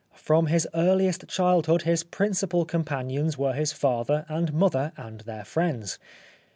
From his earliest childhood his principal companions were his father and mother and their friends.